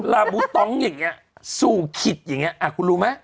ราบุตตร๊องแบบนี้สู่ขิตแบบนี้คุณรู้ไหม